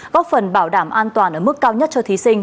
góp phần bảo đảm an toàn ở mức cao nhất cho thí sinh